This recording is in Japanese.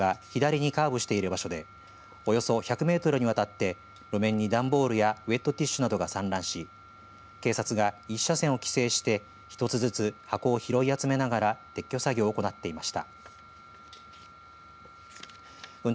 現場は、片側２車線の道路が左にカーブしている場所でおよそ１００メートルにわたって路面に段ボールやウエットティッシュなどが散乱し警察が、１車線を規制して一つずつ、箱を拾い集めながら撤去作業を行っていました。